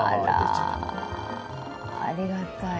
ありがたい。